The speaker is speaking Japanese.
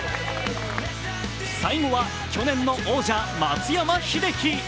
最後は去年の王者・松山英樹。